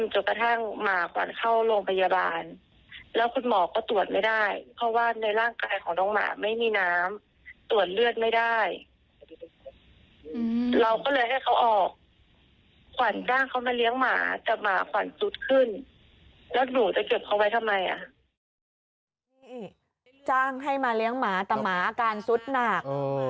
จ้างให้มาเลี้ยงหมาแต่หมาอาการสุดหนัก